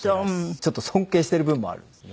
ちょっと尊敬してる部分もあるんですね。